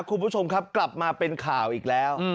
คุณผู้ชมครับกลับมาเป็นข่าวอีกแล้ว